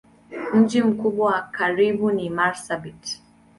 Mji mkubwa wa karibu ni Marsabit.